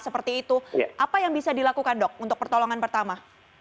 seperti itu apa yang bisa dilakukan dok untuk pertolongan pertama